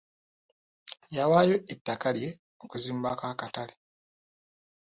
Yawaayo ettaka lye okuzimbako akatale.